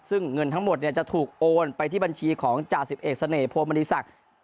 ซึ่งเงินทั้งหมดจะถูกโอนไปที่บัญชีของจ่าสิบเอกเสน่หมวมณีศักดิ์